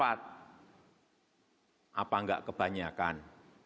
apa enggak kebanyakan